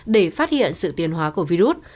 để phát hiện sự tiến hóa của virus